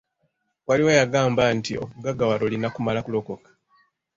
Waliwo eyangamba nti okugaggawala olina kumala kulokoka.